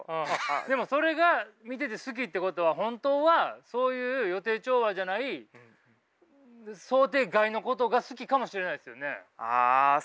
でもそれが見てて好きってことは本当はそういう予定調和じゃないあそうかもしれないですね。